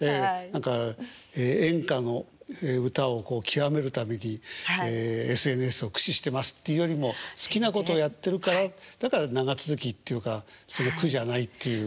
何か演歌の歌をきわめるためにＳＮＳを駆使してますっていうよりも好きなことやってるからだから長続きっていうか苦じゃないっていう。